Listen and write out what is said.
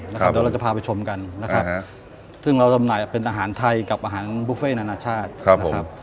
เดี๋ยวเราจะพาไปชมกันนะครับซึ่งเราจำหน่ายเป็นอาหารไทยกับอาหารบุฟเฟ่นานานาชาตินะครับ